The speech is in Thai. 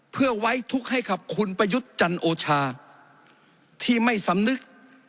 เพื่อไว้ทุกข์ให้กับคุณประยุทธ์จันโอชาที่ไม่สำนึก